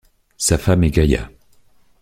Sa femme est Gaia.